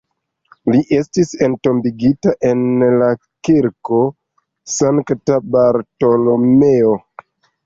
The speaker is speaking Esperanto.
Li estis entombigita en la Kirko Sankta Bartolomeo.